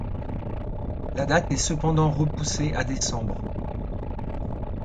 La date est cependant repoussée à décembre.